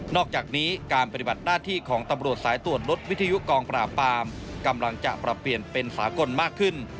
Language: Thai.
อกจากนี้การปฏิบัติหน้าที่ของตำรวจสายตรวจรถวิทยุกองปราบปามกำลังจะปรับเปลี่ยนเป็นสากลมากขึ้น